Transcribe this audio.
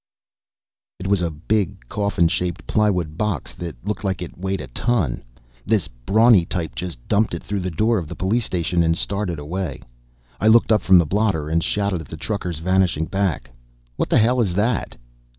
It was a big, coffin shaped plywood box that looked like it weighed a ton. This brawny type just dumped it through the door of the police station and started away. I looked up from the blotter and shouted at the trucker's vanishing back. "What the hell is that?"